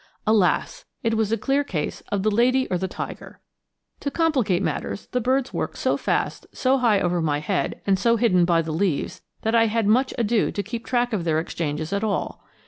Alas! it was a clear case of "The Lady or the Tiger." To complicate matters, the birds worked so fast, so high over my head, and so hidden by the leaves, that I had much ado to keep track of their exchanges at all.